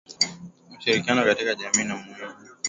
Ushirikiano katika jamii ni muhimu